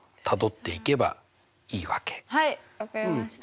はい分かりました。